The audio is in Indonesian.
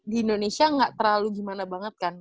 di indonesia nggak terlalu gimana banget kan